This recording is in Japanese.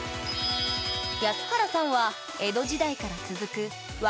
安原さんは江戸時代から続くすごい。